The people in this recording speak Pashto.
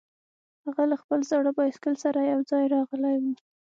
هغه له خپل زاړه بایسکل سره یوځای راغلی و